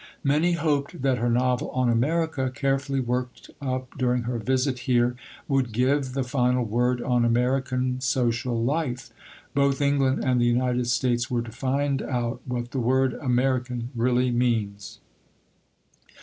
Many hoped that her novel on America, carefully worked up during her visit here, would give the final word on American social life. Both England and the United States were to find out what the word "American" really means.